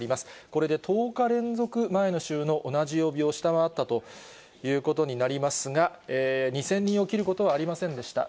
これで１０日連続、前の週の同じ曜日を下回ったということになりますが、２０００人を切ることはありませんでした。